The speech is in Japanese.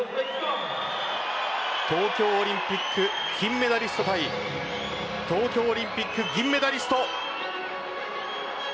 東京オリンピック金メダリスト対東京オリンピック銀メダリスト。